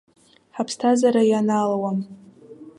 Ҳаԥсҭазаара ианаалауам.